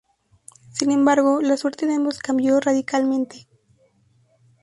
Sin embargo, la suerte de ambos cambió radicalmente.